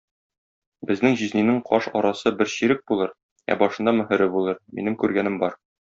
Безнең җизнинең каш арасы бер чирек булыр, ә башында мөһере булыр, минем күргәнем бар.